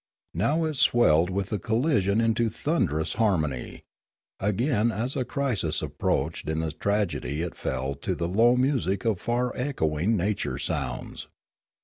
Now it swelled with the collision into thunderous harmony; again as a crisis approached in the tragedy it fell to the low music of far echoing nature sounds.